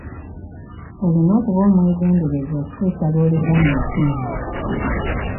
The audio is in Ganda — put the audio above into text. Olina okuba omwegendereza okutuusa lw'oliva mu nsi muno.